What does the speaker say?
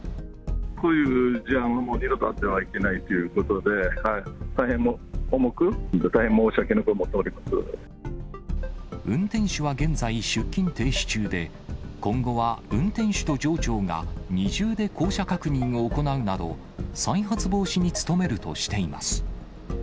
こういう事案はもう二度とあってはいけないということで、大変重く、大変申し訳なく思って運転手は現在出勤停止中で、今後は運転手と上長が二重で降車確認を行うなど、再発防止に努めるとしています。